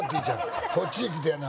こっちへ来てやな